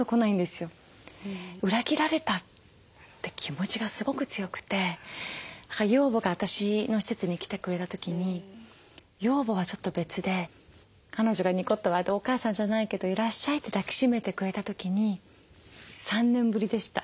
裏切られたって気持ちがすごく強くて養母が私の施設に来てくれた時に養母はちょっと別で彼女がニコッと笑って「お母さんじゃないけどいらっしゃい」って抱きしめてくれた時に３年ぶりでした。